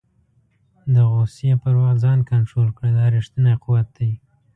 د غوسې پر وخت ځان کنټرول کړه، دا ریښتنی قوت دی.